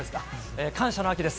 感謝の秋です。